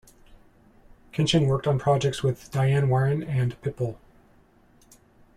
Kinchen worked on projects with Diane Warren and Pitbull.